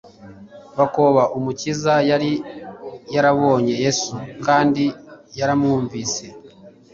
bakoba Umukiza. Yari yarabonye Yesu kandi yaramwumvise,